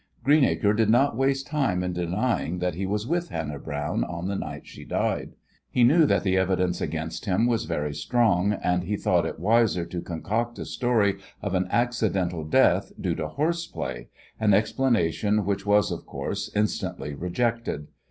Greenacre did not waste time in denying that he was with Hannah Browne on the night she died. He knew that the evidence against him was very strong, and he thought it wiser to concoct a story of an accidental death, due to horseplay an explanation, which was, of course, instantly rejected.